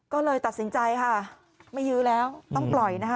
ก็เลยตัดสินใจค่ะไม่ยื้อแล้วต้องปล่อยนะคะ